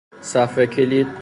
صفحهکلید.